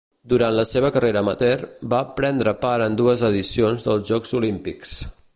Durant la seva carrera amateur va prendre part en dues edicions dels Jocs Olímpics.